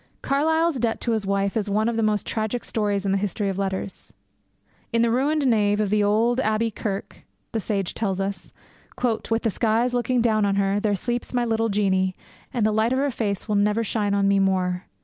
Carlyle's debt to his wife is one of the most tragic stories in the history of letters. 'In the ruined nave of the old Abbey Kirk,' the sage tells us, 'with the skies looking down on her, there sleeps my little Jeannie, and the light of her face will never shine on me more.